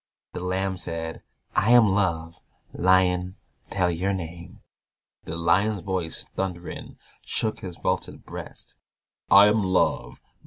The Lamb said, "I am Love"; "Lion, tell your name." The Lion's voice thundering Shook his vaulted breast, "I am Love.